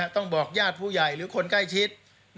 ต้องบอกญาติผู้ใหญ่หรือคนใกล้ชิด